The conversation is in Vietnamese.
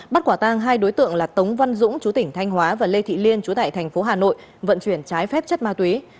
bắt quả tang hai đối tượng là tống văn dũng chú tỉnh thanh hóa và lê thị liên chú tại thành phố hà nội vận chuyển trái phép chất ma túy